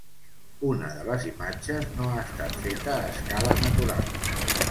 Una de les imatges no ha estat feta a escala natural.